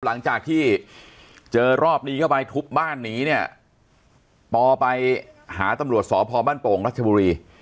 หลังจากที่เจอรอบนี้เข้าไปทุบบ้านหนีเนี่ยปอไปหาตำรวจสพบ้านโป่งรัชบุรี